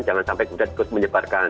jangan sampai budak budak menyebarkan